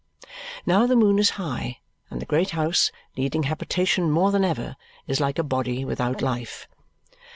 Now the moon is high; and the great house, needing habitation more than ever, is like a body without life.